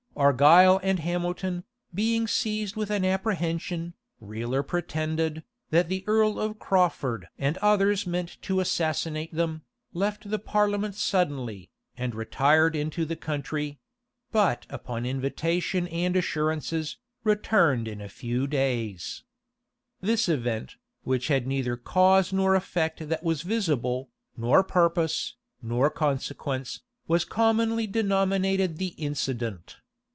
* Burnet, Mem. Burnet, Mem. Clarendon, vol. ii p. 309. Argyle and Hamilton, being seized with an apprehension, real or pretended, that the earl of Crawfurd and others meant to assassinate them, left the parliament suddenly, and retired into the country; but upon invitation and assurances, returned in a few days. This event, which had neither cause nor effect that was visible, nor purpose, nor consequence, was commonly denominated the incident.